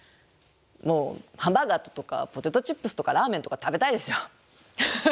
ハンバーガーとかポテトチップスとかラーメンとか食べたいですよ。